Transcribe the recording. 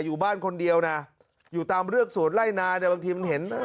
อยู่บ้านคนเดียวนะอยู่ตามเรือกสวนไล่นาเนี่ยบางทีมันเห็น